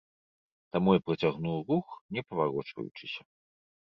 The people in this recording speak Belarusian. Таму я працягнуў рух, не паварочваючыся.